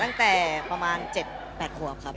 ตั้งแต่ประมาณ๗๘ขวบครับ